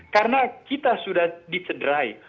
karena kita sudah disederai